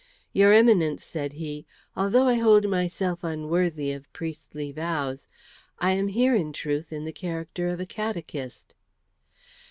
"Your Eminence," said he, "although I hold myself unworthy of priestly vows, I am here in truth in the character of a catechist."